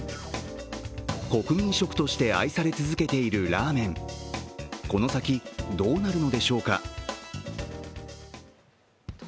国民食として愛され続けているラーメンこの先、どうなるのでしょうか。